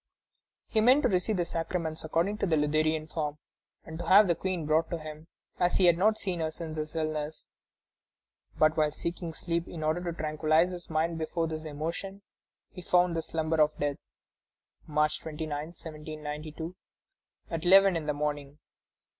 He meant to receive the sacraments according to the Lutheran form, and to have the Queen brought to him, as he had not seen her since his illness. But while seeking sleep in order to tranquillize his mind before this emotion, he found the slumber of death, March 29, 1792, at eleven in the morning.